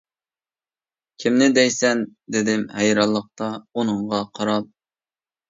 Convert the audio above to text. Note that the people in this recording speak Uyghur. -كىمنى دەيسەن؟ -دېدىم ھەيرانلىقتا ئۇنىڭغا قاراپ.